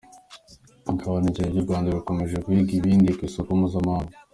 Ikawa n’icyayi by’u Rwanda bikomeje guhiga ibindi ku isoko mpuzamahanga